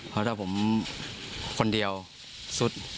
เพราะถ้าผมคนเดียวสุด